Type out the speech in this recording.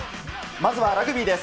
まずはラグビーです。